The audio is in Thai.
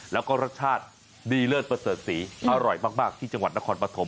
แล้วก็รสชาติดีเลิศประเสริฐศรีอร่อยมากที่จังหวัดนครปฐม